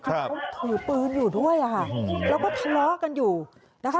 เขาถือปืนอยู่ด้วยอ่ะค่ะแล้วก็ทะเลาะกันอยู่นะคะ